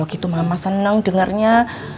oh gitu mama seneng dengernya